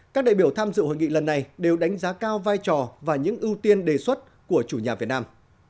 các đại biểu tham dự hội nghị lần này đều đánh giá cao vai trò và những ưu tiên đề xuất của chủ nhà việt nam